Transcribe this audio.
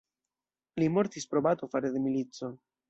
Li mortis pro bato fare de milico.